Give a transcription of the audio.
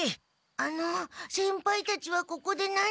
あの先輩たちはここで何を？